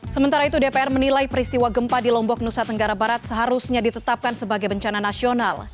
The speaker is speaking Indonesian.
sementara itu dpr menilai peristiwa gempa di lombok nusa tenggara barat seharusnya ditetapkan sebagai bencana nasional